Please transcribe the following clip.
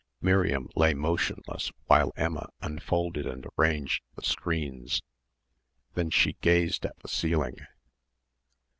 Miriam lay motionless while Emma unfolded and arranged the screens. Then she gazed at the ceiling.